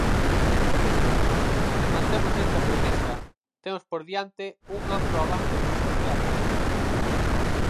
Se mantemos esta premisa, temos por diante un amplo abano de posibilidades.